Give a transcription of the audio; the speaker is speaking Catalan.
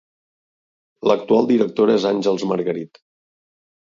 L'actual directora és Àngels Margarit.